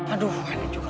aduh aneh juga